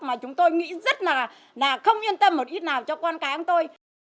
mà chúng tôi nghĩ rất là không yên tâm một ít nào cho con cái của tôi